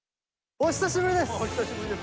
お久しぶりです。